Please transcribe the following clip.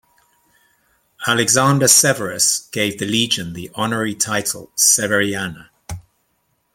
Alexander Severus gave the Legion the honorary title Severiana.